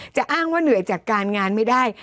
จะอ้างว่าเหนื่อยจากการงานไม่ได้